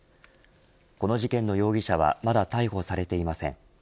この事件の容疑者はまだ逮捕されていません。